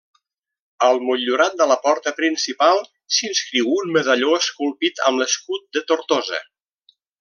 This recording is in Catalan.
Al motllurat de la porta principal s'inscriu un medalló esculpit amb l'escut de Tortosa.